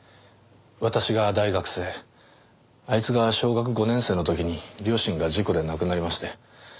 私が大学生あいつが小学５年生の時に両親が事故で亡くなりまして。